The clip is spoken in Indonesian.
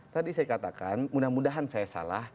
tadi saya katakan mudah mudahan saya salah